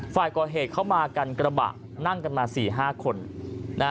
ฝ่ายก่อเหตุเข้ามากันกระบะนั่งกันมา๔๕คน